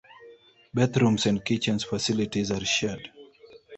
Bathrooms and kitchen facilities are shared.